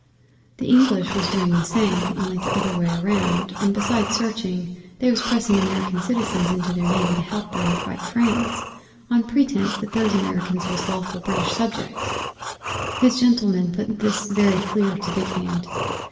The English was doing the same, only t'other way round, and besides searching, they was pressing American citizens into their Navy to help them fight France, on pretence that those Americans was lawful British subjects. His gentlemen put this very clear to Big Hand.